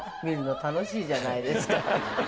楽しいじゃないですか。